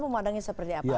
memandangnya seperti apa